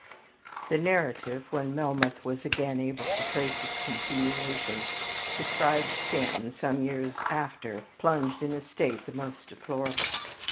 ..... The narrative, when Melmoth was again able to trace its continuation, described Stanton, some years after, plunged in a state the most deplorable.